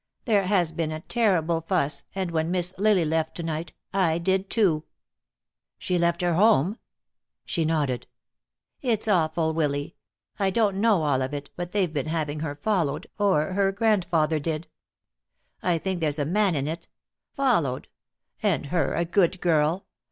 There has been a terrible fuss, and when Miss Lily left to night, I did too." "She left her home?" She nodded. "It's awful, Willy. I don't know all of it, but they've been having her followed, or her grandfather did. I think there's a man in it. Followed! And her a good girl!